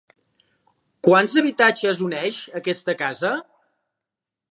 Quants habitatges uneix aquesta casa?